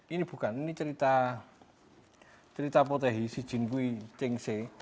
ini bukan ini cerita potehi si jin kui cheng se